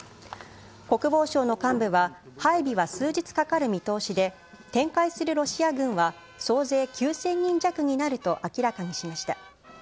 国防省の幹部は配備は数日かかる見通しで、展開するロシア軍は総勢９０００人弱になると明らかにしました。